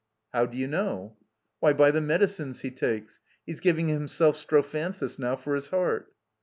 "How d'you know?" '*Why, by the medicines he takes. He's giving himself strophanthus now, for his heart."